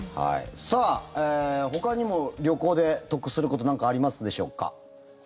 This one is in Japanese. さあ、ほかにも旅行で得すること何かありますでしょうか。